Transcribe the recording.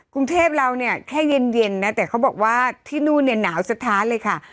กรุงเทพเราเนี่ยแค่เย็นนะแต่เขาบอกว่าที่นู่นเนี่ยหนาวสะท้านเลยค่ะ